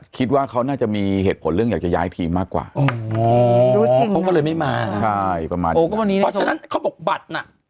เขาก็เลยไม่มานะเพราะฉะนั้นเขาบอกบัตรน่ะ